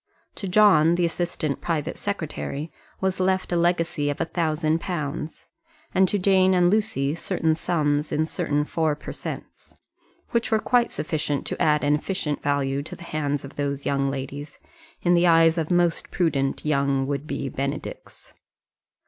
To John, the assistant private secretary, was left a legacy of a thousand pounds; and to Jane and Lucy certain sums in certain four per cents., which were quite sufficient to add an efficient value to the hands of those young ladies in the eyes of most prudent young would be Benedicts.